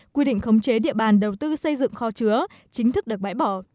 quy định khống chế địa bàn đầu tư xây dựng kho chứa chính thức được bãi bỏ